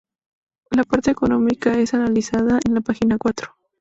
La parte económica es analizada en la página cuatro.